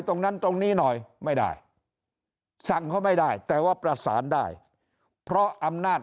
ตรงนี้หน่อยไม่ได้สั่งเขาไม่ได้แต่ว่าประสานได้เพราะอำนาจ